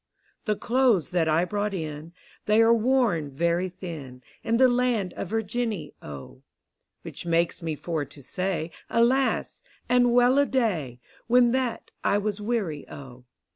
The cloathes that I brought in, They are. worn very thin, In the land of Virginny, O: W^hich makes me for to say Alas! and well a day, When that I was weary, O.